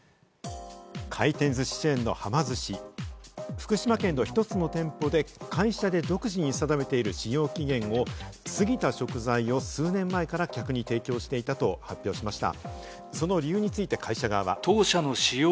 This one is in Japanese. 福島県の一つの店舗で会社で独自に定めている使用期限を過ぎた食材を数年前から客に提供していたと発表しました。